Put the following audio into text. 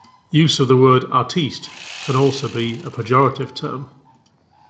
Use of the word "artiste" can also be a pejorative term.